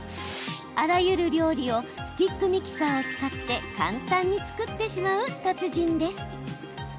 あらゆる料理をスティックミキサーを使って簡単に作ってしまう達人です。